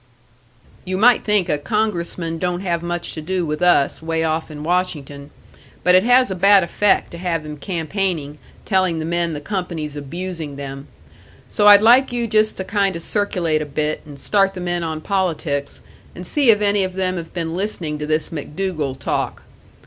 "You might think a congressman don't have much to do with us, way off in Washington; but it has a bad effect to have him campaigning, telling the men the company's abusing them. So I'd like you just to kind o' circulate a bit, and start the men on politics, and see if any of them have been listening to this MacDougall talk.